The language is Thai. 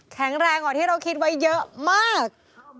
แข็งแรงกว่าที่เราคิดไว้เยอะมาก